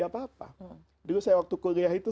apa apa dulu saya waktu kuliah itu